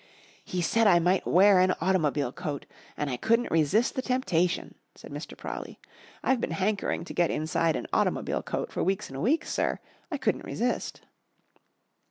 "He said I might wear an automobile coat. And I couldn't resist the temptation," said Mr. Prawley. "I've been hankering to get inside an automobile coat for weeks and weeks, sir. I couldn't resist."